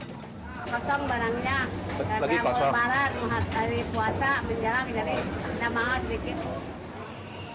kosong barangnya dari hari puasa menjelang kita mahas sedikit